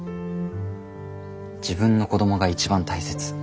自分の子供が一番大切。